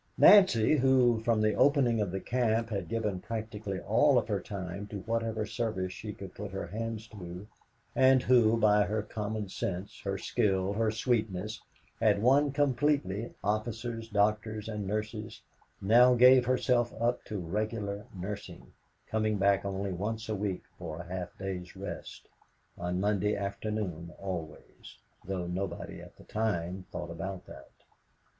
Nancy who, from the opening of the camp, had given practically all of her time to whatever service she could put her hands to, and who by her common sense, her skill, her sweetness, had won completely officers, doctors, and nurses, now gave herself up to regular nursing, coming back only once a week for a half day's rest on Monday afternoon always, though nobody at the time thought about that.